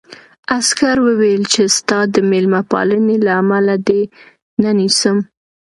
عسکر وویل چې ستا د مېلمه پالنې له امله دې نه نیسم